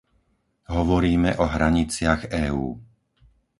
Hovoríme o hraniciach EÚ.